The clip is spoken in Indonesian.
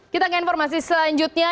kita ke informasi selanjutnya